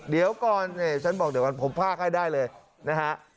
เดี๋ยวก่อนนี่ฉันบอกเดี๋ยวก่อนผมพากให้ได้เลยนะฮะ